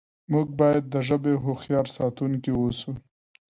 موږ باید د ژبې هوښیار ساتونکي اوسو.